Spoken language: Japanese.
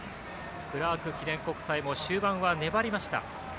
クラーク記念国際も終盤は粘りました。